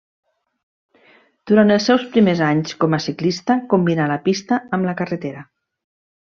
Durant els seus primers anys com a ciclista combinà la pista amb la carretera.